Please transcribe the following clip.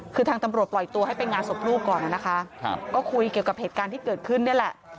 คือทางตำรวจปล่อยตัวให้ไปงานศพลูกก่อนนะคะก็คุยเกี่ยวกับเหตุการณ์ที่เกิดขึ้นนี่แหละ